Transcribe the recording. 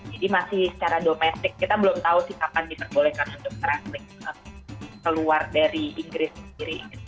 jadi masih secara domestik kita belum tahu sih kapan diperbolehkan untuk transling keluar dari inggris sendiri